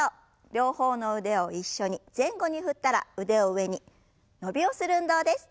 両方の腕を一緒に前後に振ったら腕を上に伸びをする運動です。